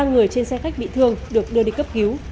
ba người trên xe khách bị thương được đưa đi cấp cứu